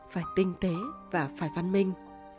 phải tinh tế và phải văn minh